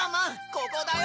ここだよ